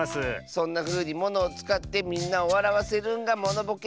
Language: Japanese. そんなふうにものをつかってみんなをわらわせるんがモノボケ。